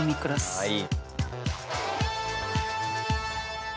はい。